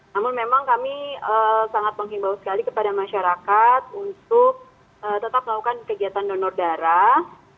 namun memang kami sangat menghimbau sekali kepada masyarakat untuk tetap melakukan kegiatan donor darah